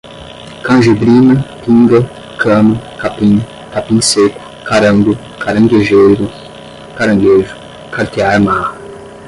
canjibrina, pinga, cano, capim, capim sêco, carango, caranguejeiro, caranguejo, cartear marra